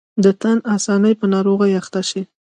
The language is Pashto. د تن آساني په ناروغۍ اخته شي.